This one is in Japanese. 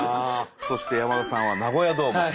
そして山田さんはナゴヤドーム。